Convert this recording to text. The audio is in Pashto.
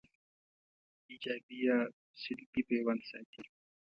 ایجابي یا سلبي پیوند ساتي